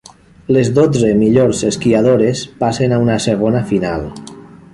Les dotze millors esquiadores passen a una segona final.